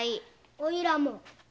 おいらも。